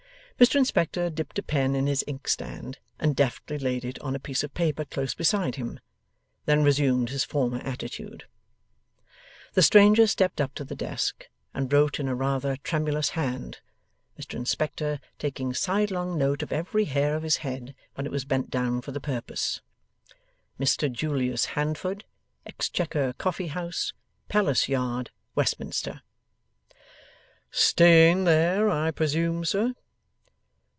Mr Inspector dipped a pen in his inkstand, and deftly laid it on a piece of paper close beside him; then resumed his former attitude. The stranger stepped up to the desk, and wrote in a rather tremulous hand Mr Inspector taking sidelong note of every hair of his head when it was bent down for the purpose 'Mr Julius Handford, Exchequer Coffee House, Palace Yard, Westminster.' 'Staying there, I presume, sir?